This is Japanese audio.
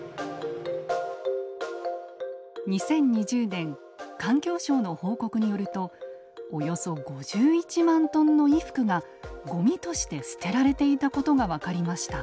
２０２０年環境省の報告によるとおよそ５１万トンの衣服がごみとして捨てられていたことが分かりました。